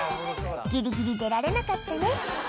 ギリギリ出られなかったね